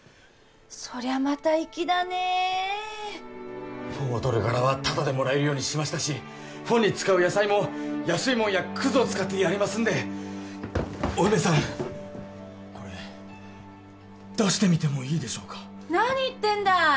そりゃまた粋だねえフォンをとるガラはタダでもらえるようにしましたしフォンに使う野菜も安いもんやクズを使ってやりますんでお梅さんこれ出してみてもいいでしょうか何言ってんだい！